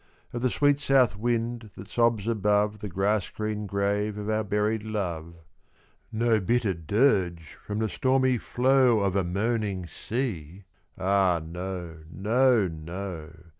Of the sweet South wind that sobs above The grass green grave of our buried love: No bitter dirge from the stormy flow Of a moaning sea, ah! no, no, no!